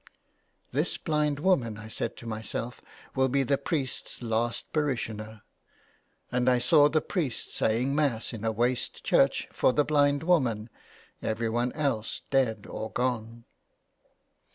" This blind woman," I said to myself, '' will be the priest's last parishioner,'' and I saw the priest saying Mass in a waste church for the blind woman, everyone else dead or gone.